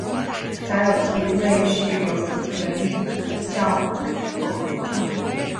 假有蹄类是由土豚及象鼩组成。